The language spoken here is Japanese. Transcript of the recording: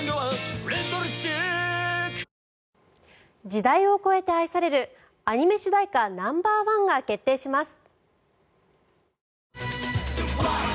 時代を超えて愛されるアニメ主題歌ナンバーワンが決定します。